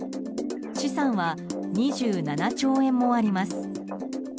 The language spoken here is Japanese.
資産は２７兆円もあります。